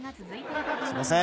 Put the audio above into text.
すいません。